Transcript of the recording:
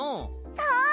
そう！